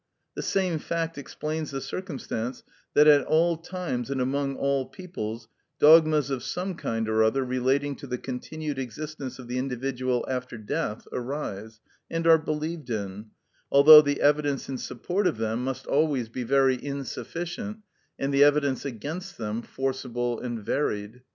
The same fact explains the circumstance that at all times and among all peoples dogmas of some kind or other relating to the continued existence of the individual after death arise, and are believed in, although the evidence in support of them must always be very insufficient, and the evidence against them forcible and varied.